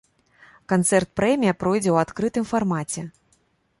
Канцэрт-прэмія пройдзе ў адкрытым фармаце.